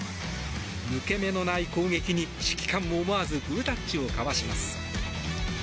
抜け目のない攻撃に指揮官も思わずグータッチを交わします。